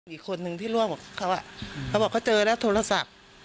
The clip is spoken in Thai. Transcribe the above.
อีกคนนึงที่ร่วมกับเขาเขาบอกเขาเจอแล้วโทรศัพท์